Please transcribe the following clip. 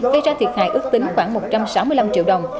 gây ra thiệt hại ước tính khoảng một trăm sáu mươi năm triệu đồng